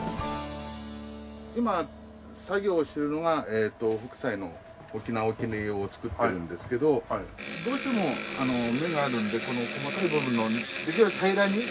今作業してるのが北斎の『沖浪』を作ってるんですけどどうしても目があるんでこの細かい部分のできるだけ平らに。